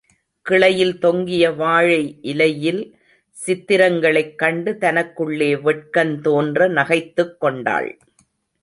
கிளையில் தொங்கிய வாழை இலையில் சித்திரங்களைக் கண்டு தனக்குள்ளே வெட்கந் தோன்ற நகைத்துக் கொண்டாள்.